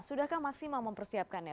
sudahkah masih mau mempersiapkannya